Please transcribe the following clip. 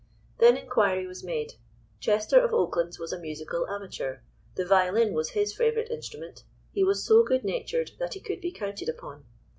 Then inquiry was made; Chester of Oaklands was a musical amateur, the violin was his favourite instrument, he was so good natured that he could be counted upon.